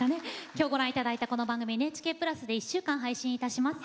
きょうご覧いただいたこの番組はＮＨＫプラスで１週間配信いたします。